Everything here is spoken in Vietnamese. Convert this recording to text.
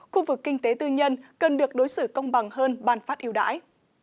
khu vực kinh tế tư nhân cần được đối xử công bằng hơn bàn phát yêu đãi